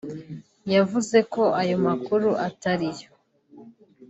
yavuze ko ayo makuru atari yo